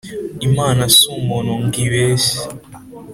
imana si umuntu ngo ibeshye